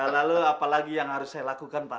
lalu apalagi yang harus saya lakukan pak